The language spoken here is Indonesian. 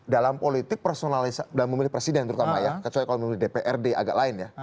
dalam politik personal dalam memilih presiden terutama ya kecuali kalau memilih dprd agak lain ya